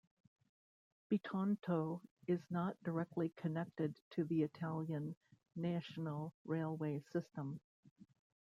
Bitonto is not directly connected to the Italian national railway system.